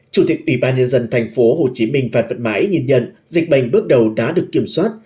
chủ tịch ủy ban nhân dân thành phố hồ chí minh phan văn mãi nhìn nhận dịch bệnh bước đầu đã được kiểm soát